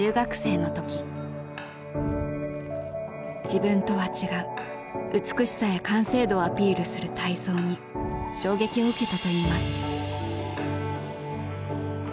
自分とは違う美しさや完成度をアピールする体操に衝撃を受けたといいます。